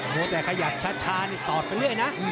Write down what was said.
โหแต่ขยับชัดตอบไปเรื่อยนะ